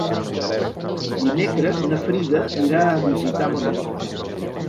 Dimecres na Frida irà a visitar mon oncle.